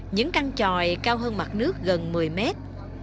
những căn tròi cao hơn mặt nước gần một mươi mét